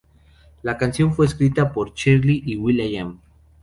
La canción fue escrita por Cheryl y will.i.am.